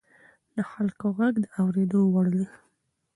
د خلکو غږ د اورېدو وړ دی